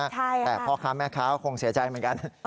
แต่พ่อค้าแม่ค้าคงเสียใจเหมือนกัน